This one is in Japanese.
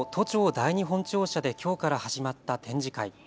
第二本庁舎できょうから始まった展示会。